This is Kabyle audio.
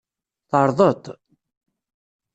Tεerḍeḍ-t?